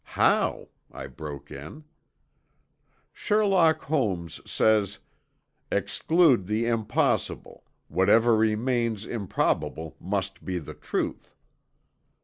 "How?" I broke in. "Sherlock Holmes says, 'Exclude the impossible, whatever remains improbable must be the truth.'